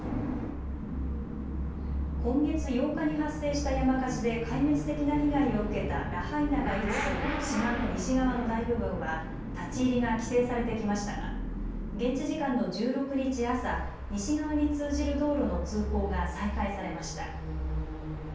今月８日に発生した山火事で壊滅的な被害を受けたラハイナが位置する島の西側の大部分は立ち入りが規制されてきましたが現地時間の１６日朝、西側に通じる道路の通行が再開されました。